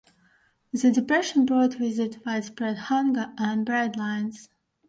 The depression brought with it widespread hunger and breadlines.